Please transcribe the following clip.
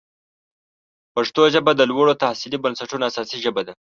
پښتو ژبه د لوړو تحصیلي بنسټونو اساسي ژبه نه ده.